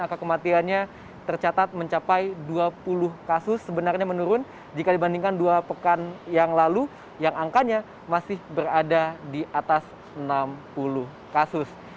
angka kematiannya tercatat mencapai dua puluh kasus sebenarnya menurun jika dibandingkan dua pekan yang lalu yang angkanya masih berada di atas enam puluh kasus